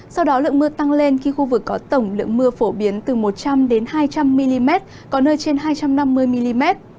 sau đó lượng mưa tăng lên khi khu vực có tổng lượng mưa phổ biến từ một trăm linh hai trăm linh mm có nơi trên hai trăm năm mươi mm